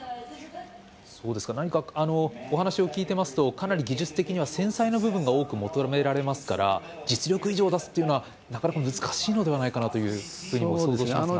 何かお話を聞いていますとかなり技術的には繊細な部分が多く求められますから実力以上を出すというのはなかなか難しいのではないかなとも想像しますが。